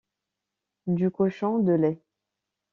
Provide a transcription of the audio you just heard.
Du cochon de lait.